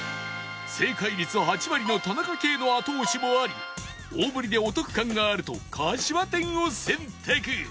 正解率８割の田中圭の後押しもあり大ぶりでお得感があるとかしわ天を選択